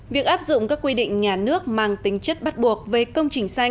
việc áp dụng các quy định nhà nước mang tính chất bắt buộc về công trình xanh